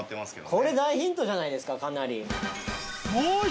これ大ヒントじゃないですかかなり。